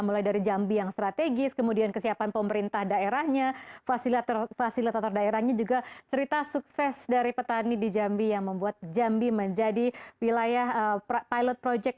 mulai dari jambi yang strategis kemudian kesiapan pemerintah daerahnya fasilitator daerahnya juga cerita sukses dari petani di jambi yang membuat jambi menjadi wilayah pilot project